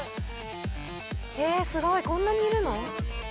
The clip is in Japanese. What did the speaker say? えっすごいこんなにいるの。